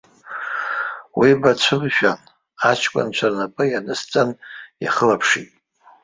Уи бацәымшәан, аҷкәынцәа рнапы ианысҵан, иахылаԥшит.